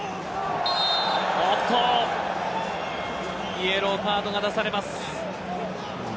イエローカードが出されます。